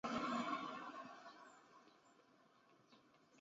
联合国地理区划列表阐述联合国如何为世界各地作。